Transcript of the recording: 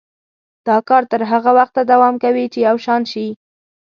دا کار تر هغه وخته دوام کوي چې یو شان شي.